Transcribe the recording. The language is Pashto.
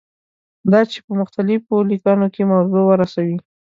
دا چې په مختلفو لیکنو کې موضوع ورسوي.